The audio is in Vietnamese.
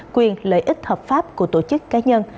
quyền lợi ích hợp pháp của tổ chức cá nhân